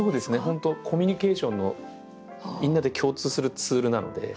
本当コミュニケーションのみんなで共通するツールなので。